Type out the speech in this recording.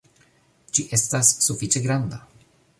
Ĝi estas sufiĉe granda